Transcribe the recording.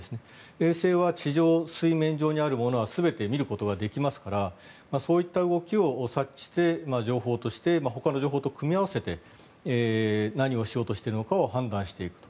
衛星は地上、水面上にあるものは全て見ることができますからそういった動きを察知して情報としてほかの情報と組み合わせて何をしようとしているのかを判断していくと。